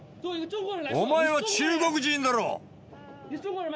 お前は中国人だろ！